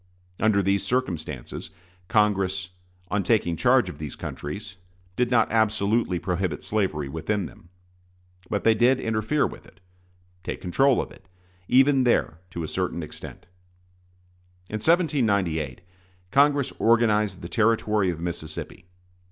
Under these circumstances, Congress, on taking charge of these countries, did not absolutely prohibit slavery within them. But they did interfere with it take control of it even there, to a certain extent. In 1798 Congress organized the Territory of Mississippi.